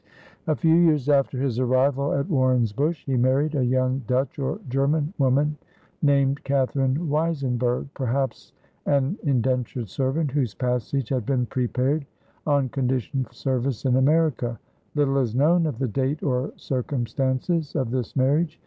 A few years after his arrival at Warrensbush he married a young Dutch or German woman named Catherine Weisenberg, perhaps an indentured servant whose passage had been prepaid on condition of service in America. Little is known of the date or circumstances of this marriage.